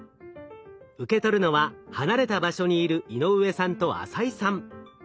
受け取るのは離れた場所にいる井上さんと浅井さん。